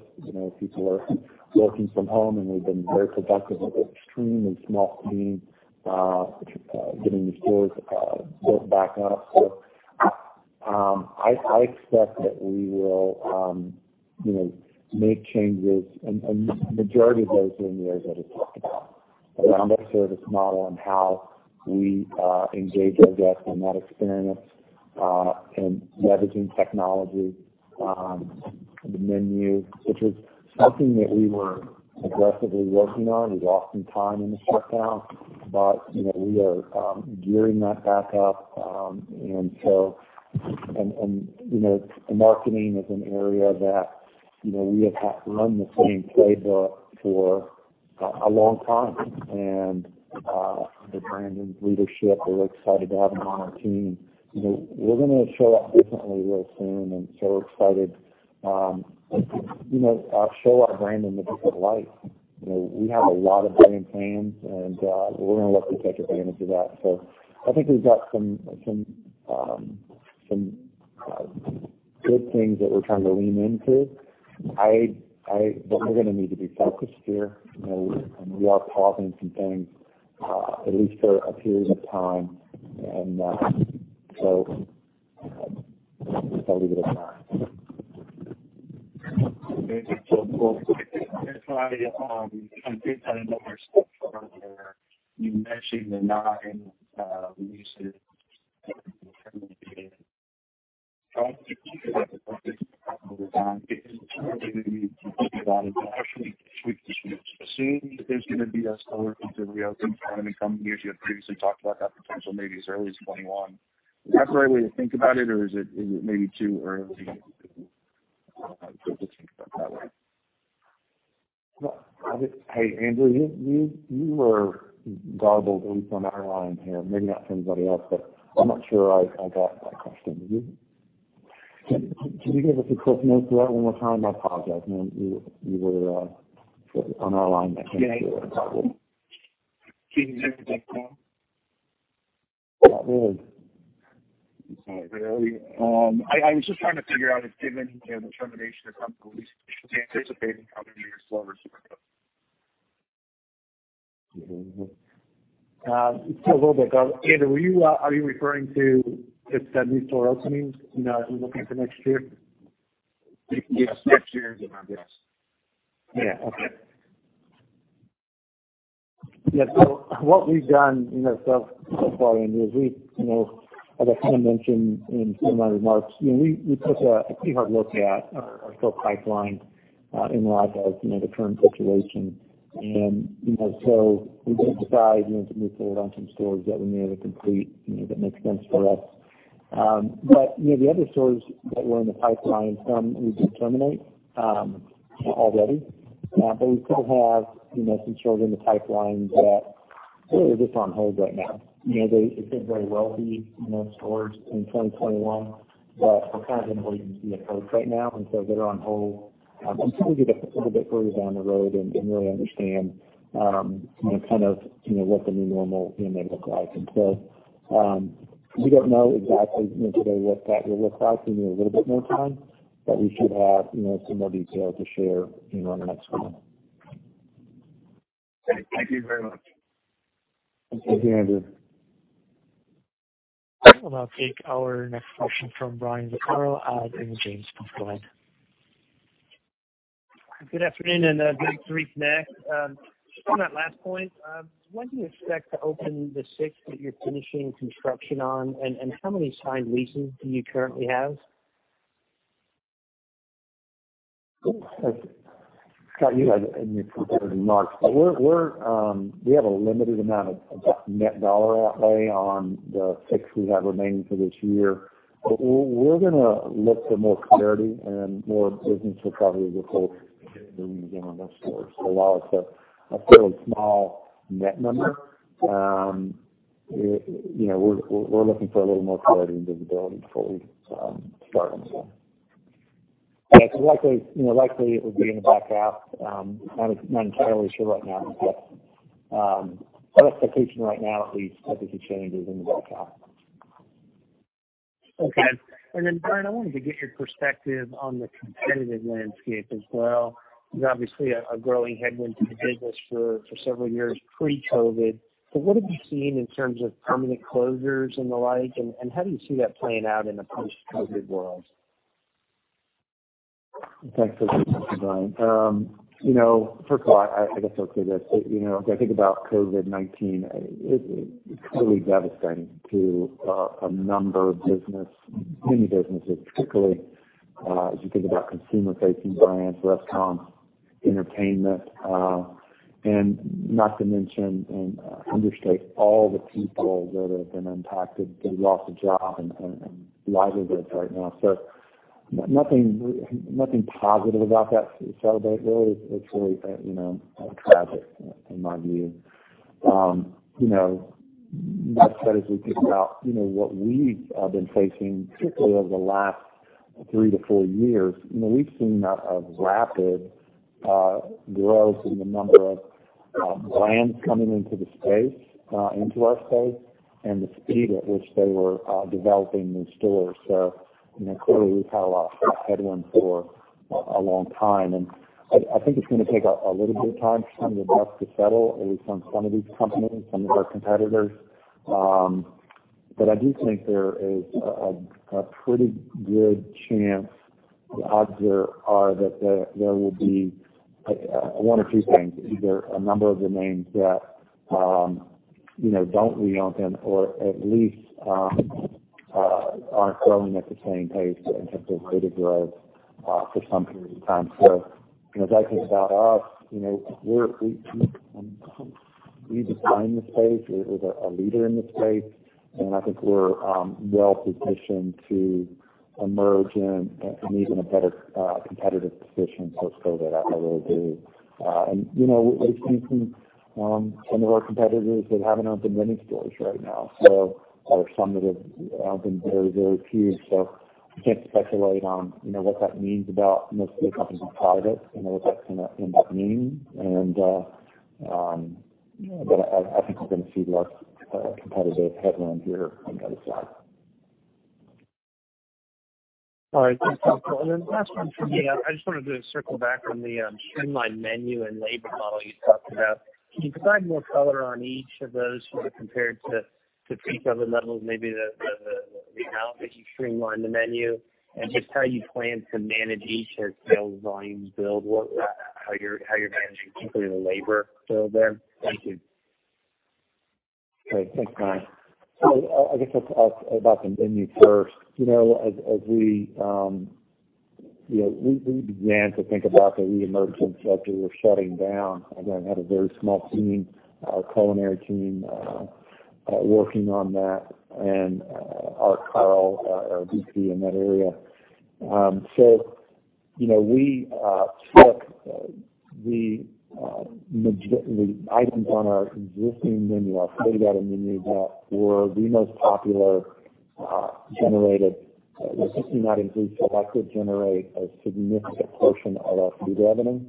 People are working from home, and we've been very productive with extremely small teams getting the stores built back up. I expect that we will make changes, and the majority of those are in the areas that I talked about. Around our service model and how we engage our guests and that experience, and leveraging technology, the menu, which is something that we were aggressively working on. We lost some time in the shutdown, but we are gearing that back up. Marketing is an area that we have run the same playbook for a long time, and with Brandon's leadership, we're excited to have him on our team. We're going to show up differently real soon, we're excited to show our brand in a different light. We have a lot of brilliant plans, and we're going to look to take advantage of that. I think we've got some good things that we're trying to lean into. We're going to need to be focused here, and we are pausing some things, at least for a period of time. Just give it a time. Thank you. I think I know where Scott was going there. You mentioned the nine leases that will be terminated. Yeah. Is that something that you can talk a little bit about? Is it something that you anticipate that actually, assuming there's going to be a slower retail environment in coming years, you had previously talked about that potential maybe as early as 2021? Is that the right way to think about it, or is it maybe too early to think about it that way? Hey, Andrew, you were garbled, at least on our line here. Maybe not to anybody else, but I'm not sure I got that question. Can you give us a quick note to that one more time? I apologize. You were on our line. I can't hear. Can you hear me now, Scott? Not really. I'm sorry. I was just trying to figure out if, given the termination of some leases, should we anticipate a coming year slower store openings? Just a little bit. Andrew, are you referring to the seven store openings we're looking for next year? Yes, next year's, I guess. Yeah. Okay. Yeah. What we've done so far, Andrew, is we, as I kind of mentioned in some of my remarks, we took a pretty hard look at our store pipeline in light of the current situation. We did decide to move forward on some stores that we may have completed that makes sense for us. The other stores that were in the pipeline, some we did terminate already. We still have some stores in the pipeline that really are just on hold right now. They may well be stores in 2021, but we're kind of in wait and see approach right now. They're on hold until we get a little bit further down the road and really understand kind of what the new normal may look like. We don't know exactly today what that will look like. We need a little bit more time, but we should have some more detail to share in our next call. Great. Thank you very much. Thank you, Andrew. I'll take our next question from Brian Vaccaro from Raymond James, please go ahead. Good afternoon, and good brief. On that last point, when do you expect to open the six that you're finishing construction on, and how many signed leases do you currently have? Scott Bowman, you had in your prepared remarks, we have a limited amount of net dollar outlay on the six we have remaining for this year. We're going to look for more clarity and more business recovery before we move in on those stores. While it's a fairly small net number, we're looking for a little more clarity and visibility before we start on those stores. Likely, it would be in the back half. Not entirely sure right now, our expectation right now, at least, I think it changes in the back half. Okay. Brian, I wanted to get your perspective on the competitive landscape as well. There's obviously a growing headwind to the business for several years pre-COVID, but what have you seen in terms of permanent closures and the like, and how do you see that playing out in a post-COVID world? Thanks for that, Brian. First of all, I guess I'll clear this. As I think about COVID-19, it's really devastating to a number of businesses, many businesses, particularly as you think about consumer-facing brands, restaurants, entertainment, and not to mention and understate all the people that have been impacted, they lost a job and livelihoods right now. Nothing positive about that to celebrate, really. It's really tragic in my view. That said, as we think about what we've been facing, particularly over the last three to four years, we've seen a rapid growth in the number of brands coming into the space, into our space, and the speed at which they were developing new stores. Clearly, we've had a lot of headlines for a long time, and I think it's going to take a little bit of time for some of the dust to settle, at least on some of these companies, some of our competitors. I do think there is a pretty good chance, the odds are that there will be one of two things, either a number of the names that don't reopen or at least aren't growing at the same pace and have their rate of growth for some period of time. As I think about us, we designed the space. We're a leader in the space, and I think we're well-positioned to emerge in an even better competitive position post-COVID. I really do. We've seen some of our competitors that haven't opened many stores right now, or some that have opened very few. I can't speculate on what that means about most of the companies that are private and what that's going to end up meaning. I think we're going to see less competitive headwind here on the other side. All right. Thanks, Michael. Last one from me. I just wanted to circle back on the streamlined menu and labor model you talked about. Can you provide more color on each of those compared to pre-COVID levels? Maybe the amount that you streamlined the menu, and just how you plan to manage each as sales volumes build, how you're managing particularly the labor build there. Thank you. Great. Thanks, Brian. I guess I'll talk about the menu first. As we began to think about the reemergence after we were shutting down, again, had a very small team, our culinary team, working on that and Art Carl, our VP in that area. We took the items on our existing menu, our pre-COVID menu, that were the most popular, this did not include select, generate a significant portion of our food revenue.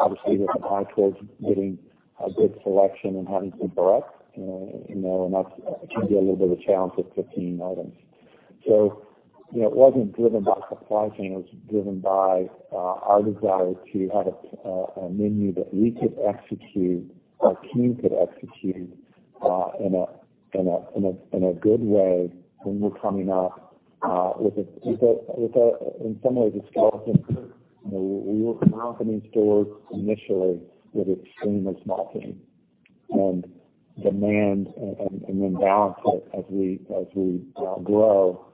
Obviously with an eye towards getting a good selection and having good breadth, and that can be a little bit of a challenge with 15 items. It wasn't driven by supply chain, it was driven by our desire to have a menu that we could execute, our team could execute in a good way when we're coming up with, in some ways, a skeleton crew. We were opening stores initially with extremely small teams and demand and then balance it as we grow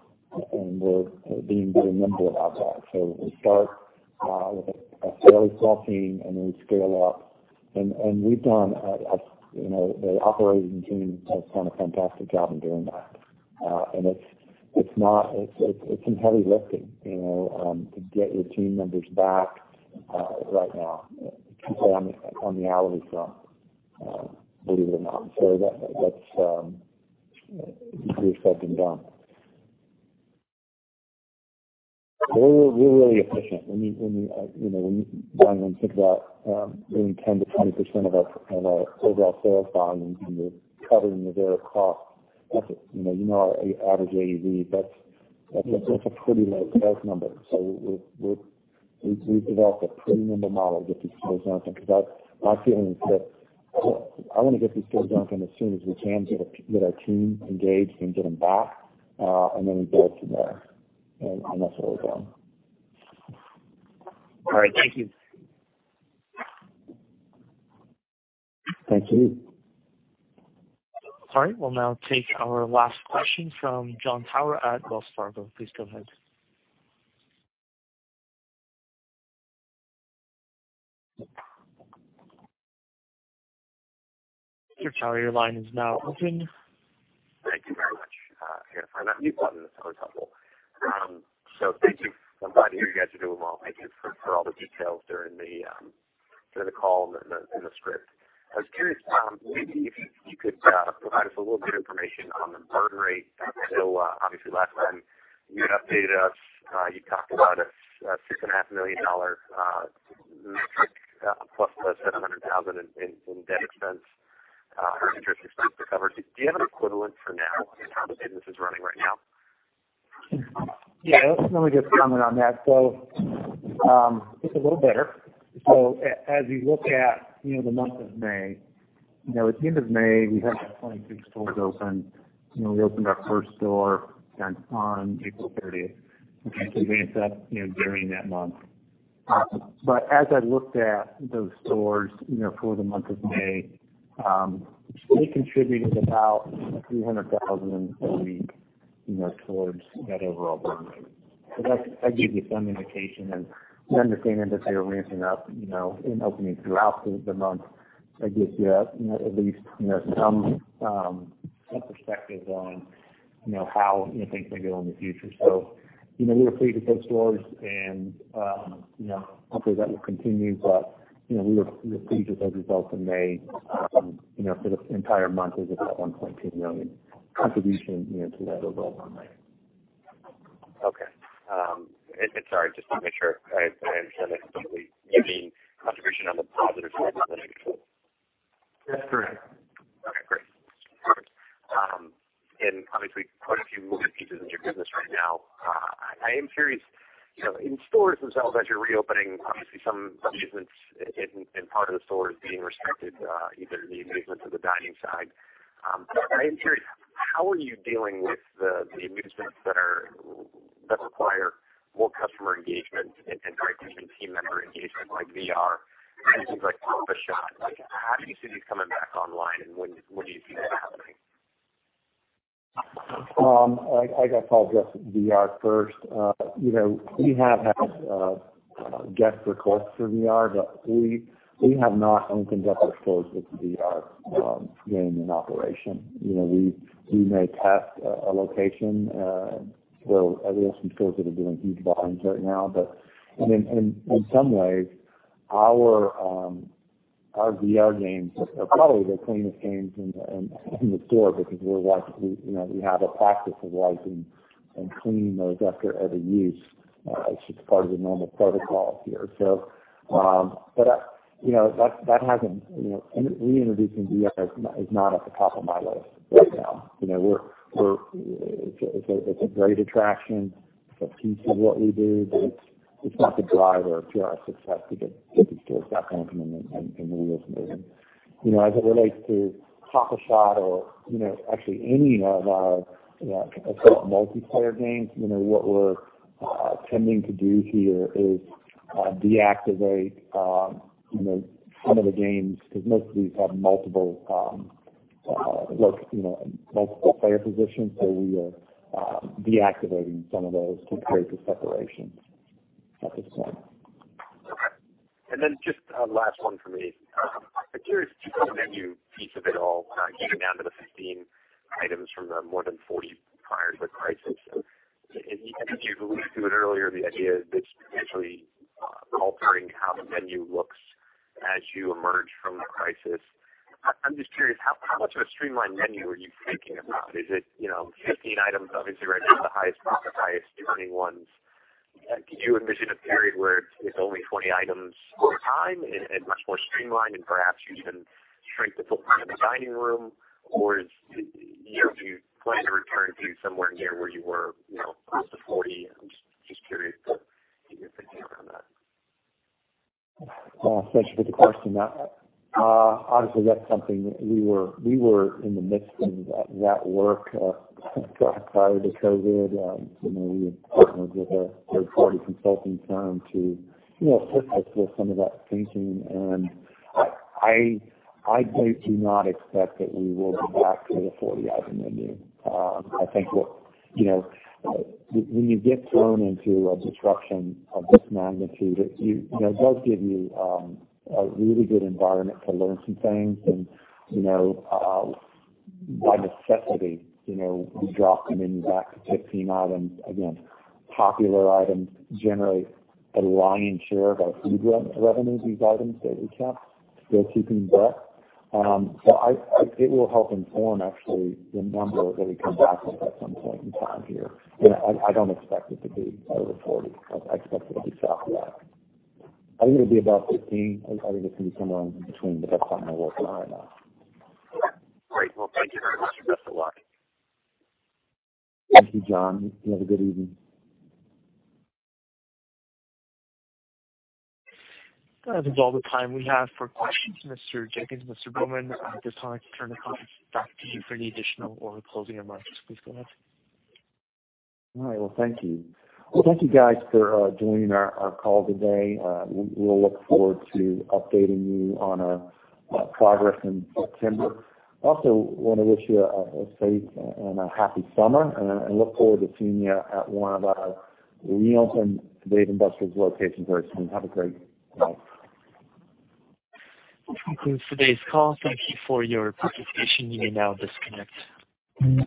and we're being more nimble about that. We start with a fairly small team and then scale up. The operating team has done a fantastic job in doing that. It's some heavy lifting to get your team members back right now, people on the hourly front, believe it or not. That's easier said than done. We're really efficient when we think about doing 10%-20% of our overall sales volume and we're covering the variable costs. You know our average AUV, that's a pretty low cost number. We've developed a pretty nimble model to get these stores open because my feeling is that I want to get these stores open as soon as we can, get our team engaged and get them back, and then we build from there. That's what we've done. All right. Thank you. Thank you. All right. We'll now take our last question from Jon Tower at Wells Fargo. Please go ahead. Mr. Tower, your line is now open. Thank you very much. I had to find that mute button. That's always helpful. Thank you. I'm glad to hear you guys are doing well. Thank you for all the details during the call and the script. I was curious, maybe if you could provide us a little bit of information on the burn rate. Obviously last time you had updated us, you talked about a $6.5 million metric plus the $700,000 in debt expense or interest expense recovered. Do you have an equivalent for now in how the business is running right now? Let me just comment on that. It's a little better. As you look at the month of May, at the end of May, we had 26 stores open. We opened our first store on April 30th, which I believe is during that month. As I looked at those stores for the month of May, they contributed about $300,000 a week towards that overall burn rate. That gives you some indication and understanding that they were ramping up and opening throughout the month. That gives you at least some perspective on how things may go in the future. We were pleased with those stores and hopefully that will continue, but we were pleased with those results in May for the entire month is about $1.2 million contribution to that overall burn rate. Okay. Sorry, just to make sure I understand this completely, you mean contribution on the positive side, not the negative? That's correct. Okay, great. Obviously, quite a few moving pieces in your business right now. I am curious, in stores themselves as you're reopening, obviously some amusement in part of the store is being restricted, either the amusement or the dining side. I am curious, how are you dealing with the amusements that require more customer engagement and potentially team member engagement like VR and things like Pop-A-Shot? How do you see these coming back online, and when do you see that happening? I guess I'll address VR first. We have had guest requests for VR. We have not opened up our stores with VR game in operation. We may test a location. We have some stores that are doing huge volumes right now. In some ways, our VR games are probably the cleanest games in the store because we have a practice of wiping and cleaning those after every use. It's just part of the normal protocol here. Reintroducing VR is not at the top of my list right now. It's a great attraction. It's a piece of what we do. It's not the driver to our success to get these stores back open and moving. As it relates to Pop-A-Shot or actually any of our multiplayer games, what we're tending to do here is deactivate some of the games because most of these have multiple player positions. We are deactivating some of those to create the separations at this point. Okay. Then just last one for me. I'm curious, this new menu piece of it all, getting down to the 15 items from the more than 40 prior to the crisis. I think you've alluded to it earlier, the idea of this potentially altering how the menu looks as you emerge from the crisis. I'm just curious, how much of a streamlined menu are you thinking about? Is it 15 items, obviously ranking the highest of the highest earning ones? Do you envision a period where it's only 40 items over time and much more streamlined, and perhaps you even shrink the footprint of the dining room? Do you plan to return to somewhere near where you were, close to 40? I'm just curious to get your thinking around that. Thank you for the question. Honestly, that's something that we were in the midst of that work prior to COVID. We had partnered with a third-party consulting firm to assist us with some of that thinking. I do not expect that we will be back to a 40-item menu. I think when you get thrown into a disruption of this magnitude, it does give you a really good environment to learn some things. By necessity, we dropped the menu back to 15 items. Again, popular items, generally a lion's share of our food revenues, these items that we kept. We're keeping that. It will help inform, actually, the number that we come back with at some point in time here. I don't expect it to be over 40. I expect it'll be south of that. I think it'll be about 15. I think it's going to be somewhere in between. That's something we're working on now. Great. Well, thank you very much, and best of luck. Thank you, Jon. You have a good evening. That is all the time we have for questions, Mr. Jenkins. Mr. Bowman, at this time, I can turn the conference back to you for any additional or closing remarks. Please go ahead. All right. Well, thank you. Well, thank you guys for joining our call today. We'll look forward to updating you on our progress in September. Also want to wish you a safe and a happy summer. I look forward to seeing you at one of our reopened Dave & Buster's locations very soon. Have a great night. This concludes today's call. Thank you for your participation. You may now disconnect.